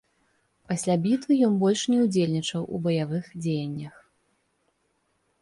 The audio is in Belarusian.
Пасля бітвы ён больш не ўдзельнічаў у баявых дзеяннях.